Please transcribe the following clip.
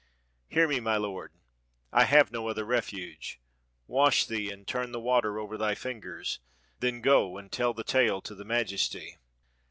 Hear me, my lord; I have no other refuge. Wash thee, and turn the water over thy fingers; then go and tell the tale to the majesty."